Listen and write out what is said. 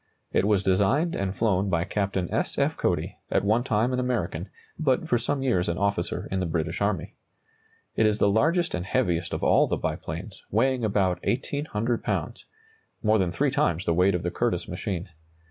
It was designed and flown by Captain S. F. Cody, at one time an American, but for some years an officer in the British army. It is the largest and heaviest of all the biplanes, weighing about 1,800 lbs., more than three times the weight of the Curtiss machine.